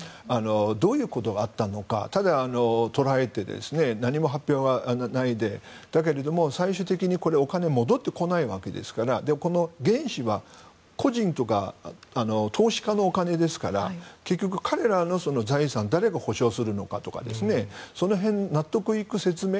どういうことがあったのかただ捕らえて何も発表がないでだけども最終的にお金は戻ってこないわけですからこの原資は個人とか投資家のお金ですから結局彼らの財産を誰が補償するのかとかその辺、納得いく説明